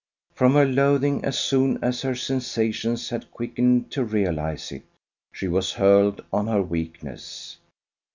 From her loathing, as soon as her sensations had quickened to realize it, she was hurled on her weakness.